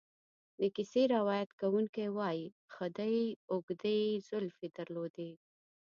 د کیسې روایت کوونکی وایي خدۍ اوږدې زلفې درلودې.